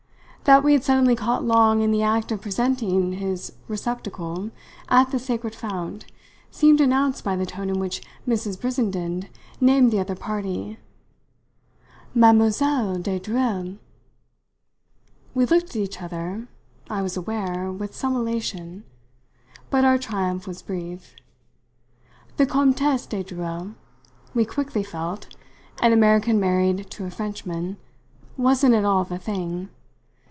That we had suddenly caught Long in the act of presenting his receptacle at the sacred fount seemed announced by the tone in which Mrs. Brissenden named the other party "Mme. de Dreuil!" We looked at each other, I was aware, with some elation; but our triumph was brief. The Comtesse de Dreuil, we quickly felt an American married to a Frenchman wasn't at all the thing.